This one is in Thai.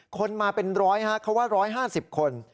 คนมาเป็น๑๐๐ครับเขาว่า๑๕๐คน